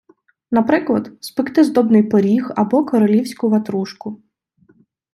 Наприклад, спекти здобний пиріг або королівську ватрушку.